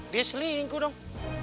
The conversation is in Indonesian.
dia selingkuh dong